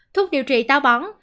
thuốc điều trị táo bóng